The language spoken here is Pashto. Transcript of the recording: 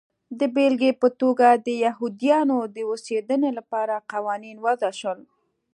د بېلګې په توګه د یهودیانو د اوسېدنې لپاره قوانین وضع شول.